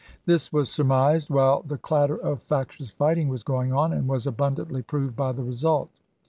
This was surmised while the clatter of ibid, factious fighting was going on, and was abundantly proved by the result.